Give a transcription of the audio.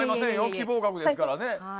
希望額ですからね。